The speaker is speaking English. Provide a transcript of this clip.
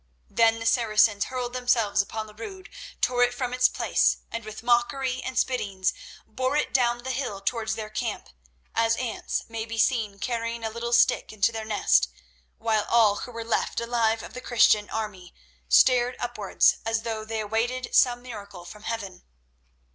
Then the Saracens hurled themselves upon the Rood, tore it from its place, and with mockery and spittings bore it down the hill towards their camp, as ants may be seen carrying a little stick into their nest, while all who were left alive of the Christian army stared upwards, as though they awaited some miracle from Heaven.